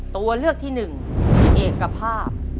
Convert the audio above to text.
ตัวเลือกที่หนึ่งเอกภาพ